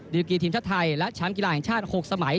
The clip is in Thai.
กีทีมชาติไทยและแชมป์กีฬาแห่งชาติ๖สมัย